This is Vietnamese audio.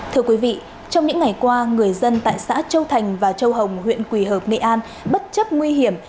thưa quý vị trong những ngày qua người dân tại xã châu thành và châu hồng huyện quỳ hợp nghệ an bất chấp nguy hiểm